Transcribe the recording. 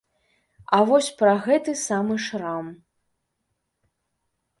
А вось пра гэты самы шрам.